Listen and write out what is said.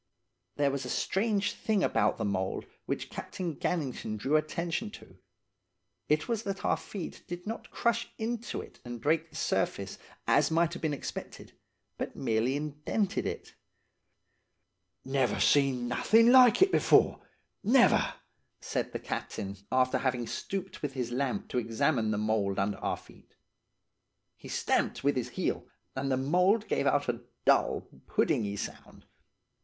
"There was a strange thing about the mould which Captain Gannington drew attention to–it was that our feet did not crush into it and break the surface, as might have been expected, but merely indented it. "'Never seen nothin' like it before! Never!' said the captain after having stooped with his lamp to examine the mould under our feet. He stamped with his heel, and the mould gave out a dull, puddingy sound.